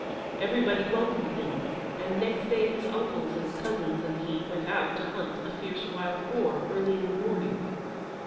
Everybody welcomed him, and next day his uncles and cousins and he went out to hunt a fierce wild boar, early in the morning.